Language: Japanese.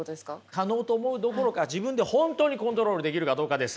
可能と思うどころか自分で本当にコントロールできるかどうかです。